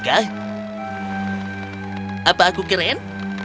apakah aku keren